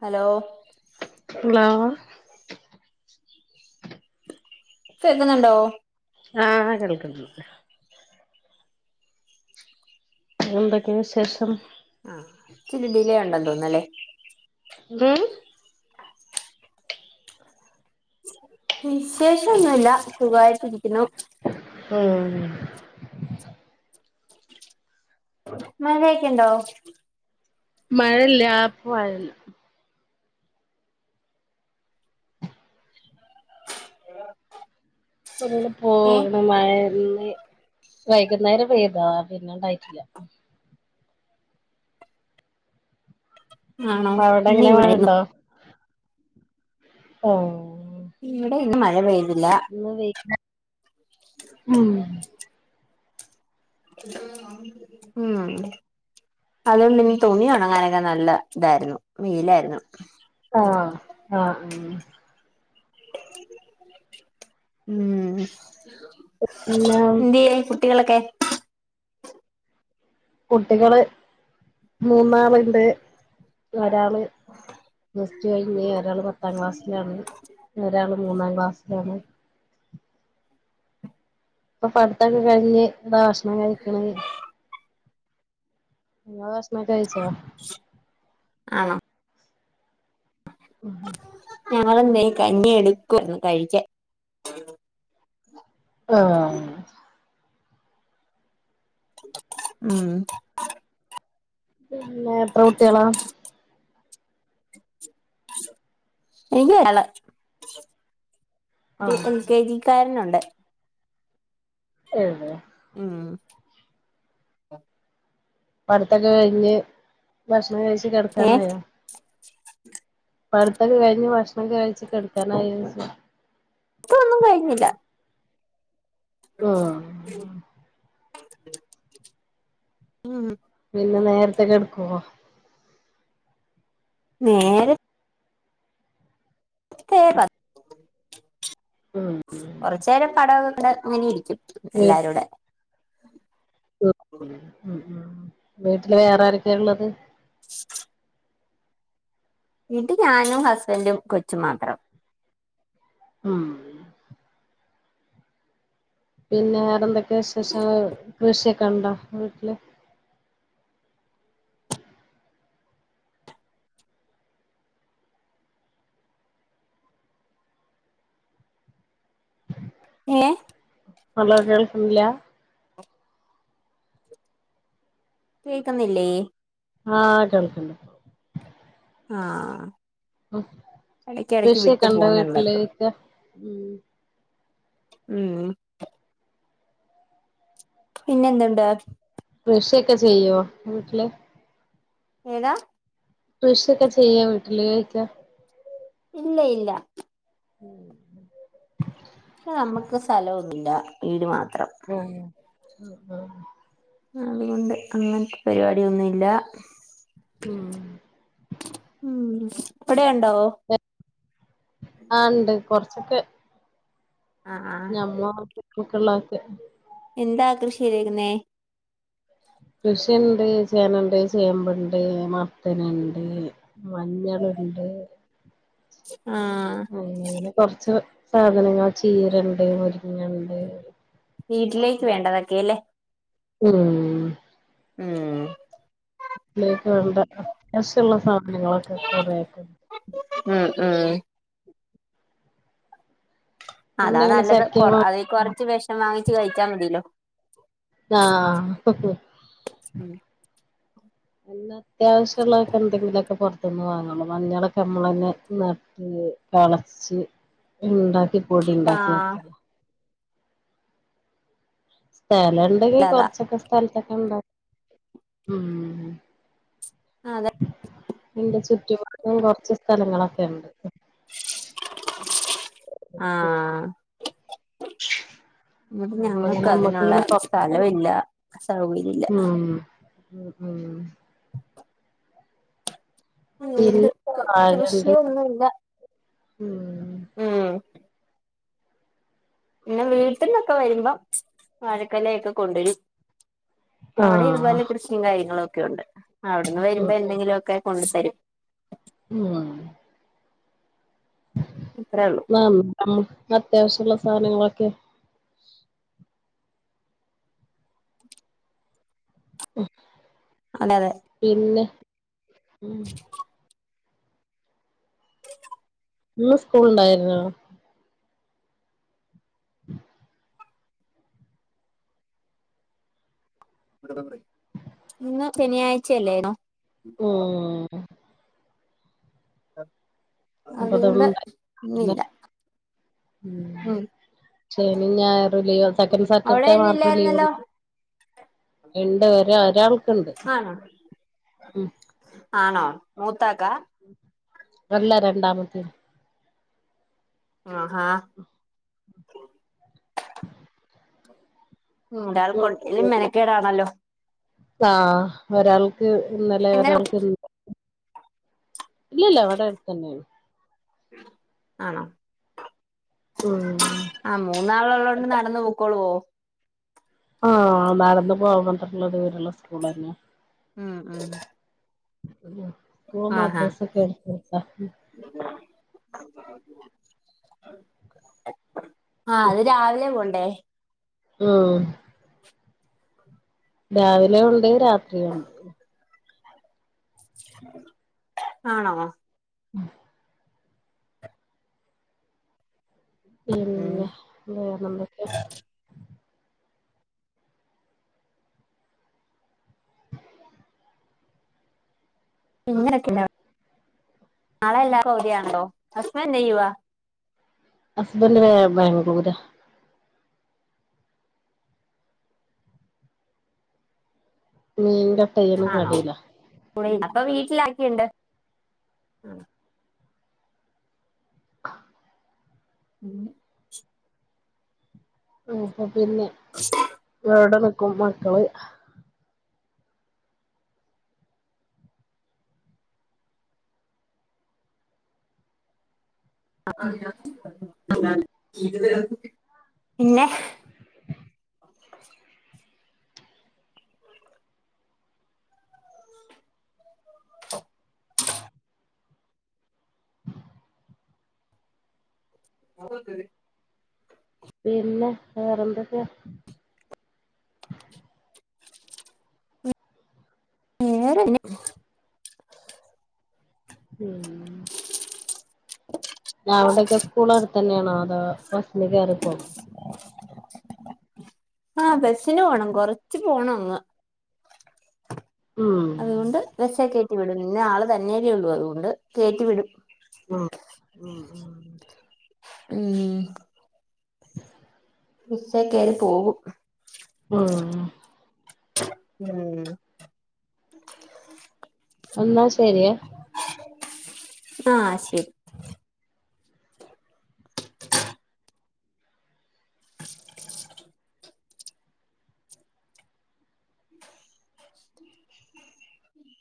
Hello hello കേക്കുന്നുണ്ടോ അ കേൾക്കാം എന്തൊക്കെ ണ് ശേഷം അ ഇച് ലിഡെണ്ടന്ന് തോന്നുന്നുലെ ഉം വിശേഷ ഒന്നുല്ല സുഖായിട്ട്രിക്കുന്നു ഉം മഴയ്ക്കൊണ്ടോ മഴയില്ലാ ഇപ്പ മഴയില്ല ഇപ്പങ്ങനെ ഏഹ് പോണു മഴയി വൈകുന്നേരം പെയ്ത പിന്നെ ഉണ്ടായിട്ടില്ല ആണോ അവിടെ ഇന്ന് ങ്ങനെ ഇവിടായിരുന്നു മഴയുണ്ടോ അ ഇവിടെ ഇന്ന് മഴപെയ്ത് ഇന്ന് വെയ്ലായിരുന്ന് അം ഉം അതുണ്ട്ന്ന് തുണി ഉണങ്ങാനൊക്കെ നല്ല ഇതായിരുന്നു വെയിലായിരുന്നു ഹലോ അ ഊം പിന്നെ എന്ത്യേ കുട്ടികളൊ ക്കെ കുട്ടികള് മൂന്നാള് ണ്ട് ഒരാള് പ്ലസ്റ്റു കഴിഞ്ഞ് ഒരാള് പത്താം ക്ലാസിലാണ് ഒരാള് മൂന്നാം ക്ലാസിലാണ് ഇപ്പൊ പഠിത്തൊക്കെ കഴിഞ്ഞ് [unintelligible] ക്ഷണം കഴിക്ക്ണത് ഇങ്ങള് ഭക്ഷ് ണക്കെ കഴിച്ചോ ആണോ ഉം ഞങ്ങളിന്തേയ് കഞ്ഞി എടുക്കുവായിരുന്നു കഴിക്കാൻ ആ ഉം പിന്നെ എത്ര കുട്ടിയേളാ? ഇൻക്ക് ഒരാള് ഒരു ആഹ് എൽ കെ ജിക്കാരനു ണ്ട് ഏ ഉം പഠിത്തക്കെ കഴിഞ് ബ ക്ഷണം കഴിച്ച് ഏഹ് കിടക്കാനായോ? പഠിത്തക്കെ കഴിഞ്ഞ് ഭ ക്ഷണം കഴിച്ച് കിടക്കാനായോ ചോയ്ച്ച ഇപ്പ ഒന്നും കഴിഞ്ഞില്ല. ആഹ് ഉം പിന്നെ നേരത്തെ കിടക്കോ നേര ത്തേ പ ഉം കൊറച്ചേരം പട ഒക്കെ കണ്ട് ഇങ്ങനെ ഇരിക്കും. വീ എല്ലാരൂടെ ഉം വീട്ടില് വേറാരെക്കെ ഇള്ളത് വീട്ടി ഞാനും, ഹസ്ബൻഡും, കൊച്ചും മാത്രം. ഉം പിന്നെ വേറെന്തൊ വിശേഷങ്ങൾ വിശേ കണ്ടം വീട്ടിലെ ഏ [unintelligible] കേൾക്കൂല കേൾക്കുന്നില്ലേ? ആ കേൾക്കുണ്ടിപ്പം. ആ കൃഷിയെക്കെയുണ്ടോ പോകുന്നുണ്ട് വീട്ടിലെക്കെ? ഉം പിന്നെഎന്തുണ്ട്? കൃഷിയൊക്കെ ചെയ്യുവോ വീട്ടില്? ഏതാ? കൃഷിയൊക്കെ ചെയ്യും വീ ഇല്ല ഇല്ല. ഹ നമ്മുക്ക് സ്ഥലോന്നുല്ല വീട് മാത്ര [unintelligible] ആ ഹാ അതുകൊണ്ട് അങ്ങനത്തെ പരുപാടിയൊന്നുയില്ല ഉം ഊം ഇവിടെഒണ്ടോ ആ ഒണ്ട് കൊറച്ചൊക്കെ ആഹ് നമ്മള് [unintelligible] എന്താ [unintelligible] ശരിയാകുന്നെ കൃഷിണ്ട്, ചേനാണ്ട്, ചെമ്പുണ്ട്, മ ത്തനുണ്ട്, മഞ്ഞളുണ്ട് [inaudible] ആ പിന്നെ കൊറച്ച് സാധനങ്ങള് ചീരണ്ട് മുരിങ്ങണ്ട് വീട്ടിലേക്ക് വേണ്ടതൊക്കെ അല്ലേ ഉം ഊം വീട്ടിലേക്ക് വേണ്ട [unintelligible] [unintelligible] ആ ആ പിന്നെ അതാ ഇങ്ങനെ നല്ലത് കൊ ചക്കയും അത് ആ കൊറച്ച് വിഷം വാങ്ങിച്ച് കഴിച്ചാ മതിയല്ലോ ആഹ് ഉം അല്ല അത്യാവശ്യള്ള എന്തെങ്കിലൊക്കെ പൊറത്തുന്ന് വാങ്ങുള്ളു മഞ്ഞളൊക്കെ നമ്മളന്നെ നട്ട് കളച്ച് ഉണ്ടാക്കി പൊടിണ്ടാക്കാ നല്ലതാ സ്ഥലുണ്ടെങ്കി കൊറച്ചൊക്കെ സ്ഥലത്തൊക്കെ എന്താ. ഉം അതെ എന്റെ ചി ചുറ്റുപാടും കുറച്ച് സ്ഥലങ്ങളൊക്കെ ഉണ്ട് ആഹ് ആ അപ്പൊ ഇങ്ങനെ ഞങ്ങൾക്ക് നമ്മക്ക് അതിനുള്ള ഇങ്ങനെ കൊറച്ച് സ്ഥലമില്ല സൗകര്യ ഇല്ല ഉം ഉം ഉം ഇത് പിന്നെ വാഴണ്ട് കൃഷിയൊന്നുയില്ല ഉം [inaudible] പിന്നെ വീട്ടിൽന്നൊക്കെ വരുമ്പോം വാഴക്കൊലൊക്കെ കൊണ്ടുവരും അവിടെ ആഹ് ഇതുപോലെ കൃഷിയും കാര്യങ്ങളും ഒക്കെ ക്കെണ്ട്. അവിടുന്നു വരുമ്പം എന്തെങ്കിലുഒക്കെ കൊണ്ടുത്തരും. ഉം അത്രേ ഉള്ളൂ നമുക്ക് അത്യാവശ്യമുള്ളത്. സാനങ്ങളൊക്കെ? ഉം അതെ അതെ പിന്നെ ഉം ഇന്ന് സ്കൂളുണ്ടായിരുന്നോ ഇന്ന് ശനിയാഴ്ച്ചയല്ലെനു. [unintelligible] ഉം [unintelligible] അതുകൊണ്ട് ഇവിടുണ്ട് ഇന്ന് ഇന്നില്ല ഉം ശനീം ഞായറും ലീവ സെക്കന്റ് അവിടെ സാറ്റർഡേ മാത്രേ ഇന്നില്ലായിരുന്നല്ലോ ലീവൊള്ളൂ. ഇണ്ടോരു ഒരാൾ ആണോ ആണോ ത്താക്കാ? ഇതല്ല രണ്ടാമത്തേത്. ആ ആ ഒരാളൊക്കൊണ്ടേലും മെനക്കേടാണല്ലോ. ആ ഒരാള് ക് എങ്ങനെ ഇന്നലെയൊരാൾക് നീയല്ലെവിടെടുത്തന്നേണ്. ആണോ? ഉം ആ മൂന്നാളൊള്ളോണ്ട് നടന്നുപോം. ക്കോളുവോ? ആ നടന്നുപോവും. മറ്റുള്ളതുപോലെയുള്ള സ്കൂളല്ല. ആ ആ പോവുമ്പാ ഡ്രസ്സൊക്കെടുത്തുവെക്ക. ആ അതു രാവിലെ പോണ്ടേ? ഉം രാവിലേ ഒണ്ട് രാത്രീ ഒണ്ട്. ആണോ? [inaudible] ഉം പിന്നെ വേറെന്തക്കെ? [unintelligible] നാളെ എല്ലാർക്കും അവധി ആണല്ലോ ഹസ്ബൻഡ് എന്ത് ചെയ്യുവാ ഹസ്ബൻഡ് ബാംഗ്ലൂരാ [inaudible] [unintelligible] കടയില ലാരൊക്കെയുണ്ട് [inaudible] [unintelligible] പിന്നെ [unintelligible] മക്കള് [unintelligible] [unintelligible] പിന്നെ [unintelligible] [unintelligible] പിന്നെ വേറെന്തക്കയാ വേറെ [unintelligible] അവിടൊക്കെ സ്കൂളട്ത്തന്നെ ആണോ അതോ ബസ്ന് കേറി പോണോ? ആഹ് ബസ് ന് പോണം കൊറച്ച് പോണങ്ങു ഉം അതുകൊണ്ട് ബസെ കെ റ്റി വിടും. ഇന്ന് ആള് തന്നെയല്ലേ ഒള്ളു അതുകൊണ്ട് കേറ്റിവിടും ആഹ് ഉം ഉം ഉം ബസേ കേറി പോകും ആഹ് ഉം [unintelligible] ശെരിയെ ആഹ് ശെരി